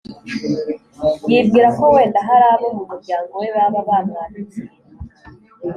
yibwira ko wenda hari abo mu muryango we baba bamwandikiye